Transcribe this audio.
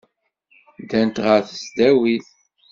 Ddant ɣer tesdawit.